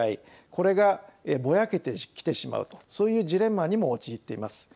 これがぼやけてきてしまうというそういうジレンマにも陥っています。